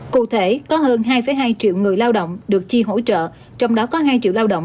cụ thể có hơn hai hai triệu người lao động được chi hỗ trợ trong đó có hai triệu lao động